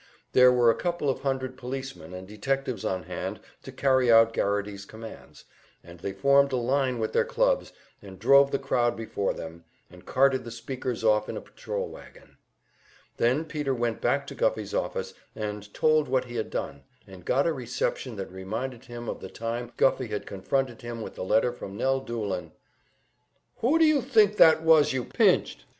There were a couple of hundred policemen and detectives on hand to carry out Garrity's commands, and they formed a line with their clubs, and drove the crowd before them, and carted the speakers off in a patrol wagon. Then Peter went back to Guffey's office, and told what he had done and got a reception that reminded him of the time Guffey had confronted him with the letter from Nell Doolin! "Who do you think that was you pinched?"